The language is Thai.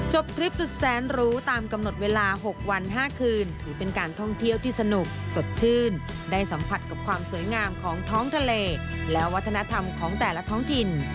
ทริปสุดแสนรู้ตามกำหนดเวลา๖วัน๕คืนถือเป็นการท่องเที่ยวที่สนุกสดชื่นได้สัมผัสกับความสวยงามของท้องทะเลและวัฒนธรรมของแต่ละท้องถิ่น